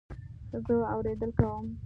زه اورېدل کوم